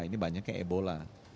ini banyak kayak ebola